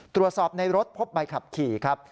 ตรวจสอบในรถพบใบขับขี่ครับ